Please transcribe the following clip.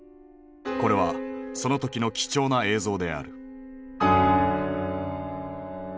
これはその時の貴重な映像である。